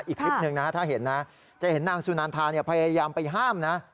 อีกคลิปหนึ่งนะถ้าเห็นนะจะเห็นนางสุนันทาพยายามไปห้ามนะ